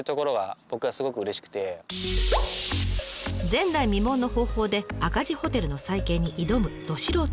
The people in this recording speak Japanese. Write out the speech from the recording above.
前代未聞の方法で赤字ホテルの再建に挑むど素人さん。